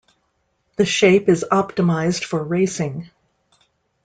The shape is optimized for racing.